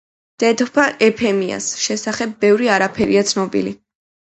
დედოფალ ეფემიას შესახებ ბევრი არაფერია ცნობილი.